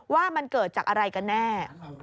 ว่ามันเกิดจากอะไรกันแน่